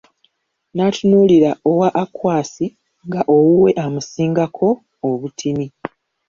N'atunuulira owa Akwasi, nga owuwe amusinga ko obutini.